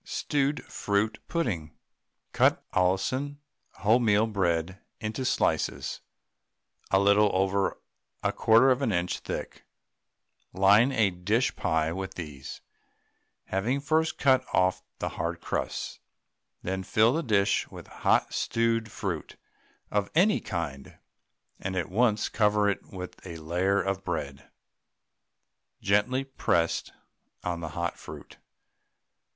STEWED FRUIT PUDDING. Cut Allinson wholemeal bread into slices a little over a 1/4 of an inch thick, line a pie dish with these, having first cut off the hard crusts. Then fill the dish with hot stewed fruit of any kind, and at once cover it with a layer of bread, gently pressed on the hot fruit.